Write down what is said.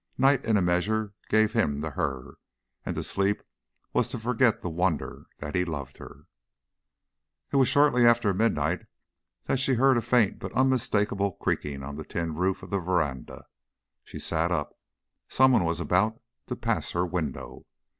Night in a measure gave him to her, and to sleep was to forget the wonder that he loved her. It was shortly after midnight that she heard a faint but unmistakable creaking on the tin roof of the veranda. She sat up. Some one was about to pass her window.